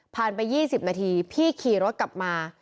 ผ่านไปยี่สิบนาทีพี่ขี่รถกลับมา